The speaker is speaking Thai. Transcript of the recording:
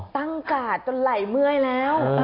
กาดจนไหล่เมื่อยแล้ว